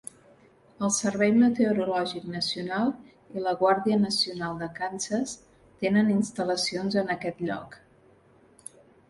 El Servei Meteorològic Nacional i la Guàrdia Nacional de Kansas tenen instal·lacions en aquest lloc.